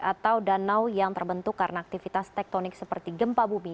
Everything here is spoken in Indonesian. atau danau yang terbentuk karena aktivitas tektonik seperti gempa bumi